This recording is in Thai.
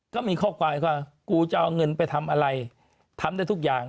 ก็มีข้อความว่ากูจะเอาเงินไปทำอะไรทำได้ทุกอย่าง